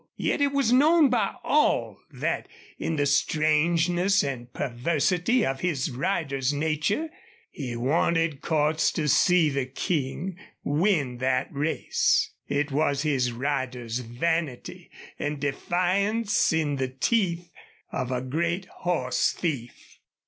Yet it was known by all that in the strangeness and perversity of his rider's nature he wanted Cordts to see the King win that race. It was his rider's vanity and defiance in the teeth of a great horse thief.